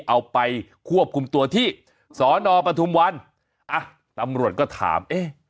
เอาไปควบคุมตัวที่สอนอปทุมวันอ่ะตำรวจก็ถามเอ๊ะ